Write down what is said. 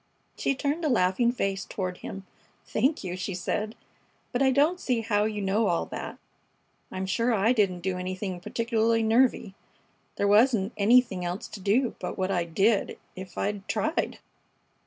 She turned a laughing face toward him. "Thank you!" she said. "But I don't see how you know all that. I'm sure I didn't do anything particularly nervy. There wasn't anything else to do but what I did, if I'd tried."